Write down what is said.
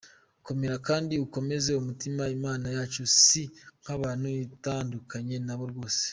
Komera kandi ukomeze umutima, Imana yacu si nk’abantu itandukanye nabo rwose.